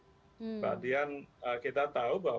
kemudian kita tahu bahwa